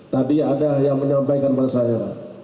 tadi ada yang menyampaikan pada saya